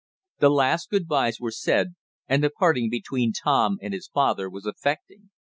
The last good byes were said, and the parting between Tom and his father was affecting.